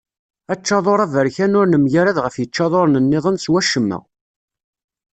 Aččadur aberkan ur nemgarad ɣef yiččaduren niḍen s wacemma.